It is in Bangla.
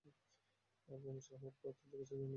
আর প্রমোশন হওয়ার পর তো, জিজ্ঞাসা যেন আরও বেড়ে গেছে।